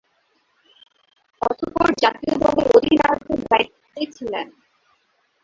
অতঃপর, জাতীয় দলের অধিনায়কের দায়িত্বে ছিলেন।